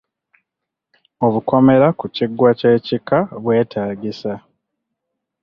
Obukomera ku kiggwa ky’ekika bwetaagisa.